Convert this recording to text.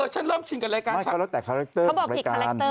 ฉันร่วมชินกับรายการชัก